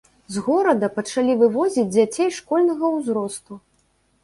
З горада пачалі вывозіць дзяцей школьнага ўзросту.